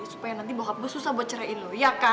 supaya nanti bokap gue susah buat ceraiin lo